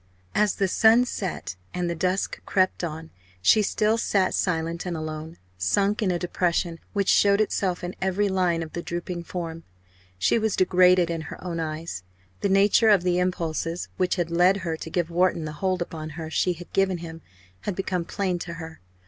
As the sunset and the dusk crept on she still sat silent and alone, sunk in a depression which showed itself in every line of the drooping form. She was degraded in her own eyes. The nature of the impulses which had led her to give Wharton the hold upon her she had given him had become plain to her.